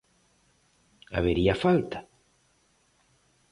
Habería falta?